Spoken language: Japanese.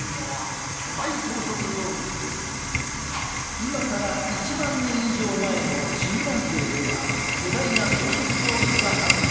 今から１万年以上前の中南米では巨大な草食動物が繁栄。